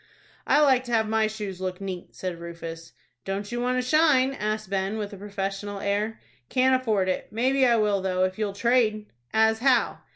"I like to have my shoes look neat," said Rufus. "Don't you want a shine?" asked Ben, with a professional air. "Can't afford it. Maybe I will, though, if you'll trade." "As how?"